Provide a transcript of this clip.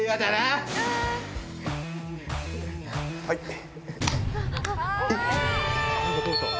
はい。